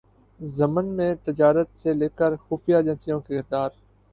ضمن میں تجارت سے لے کرخفیہ ایجنسیوں کے کردار